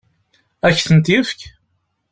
Ad k-tent-yefk?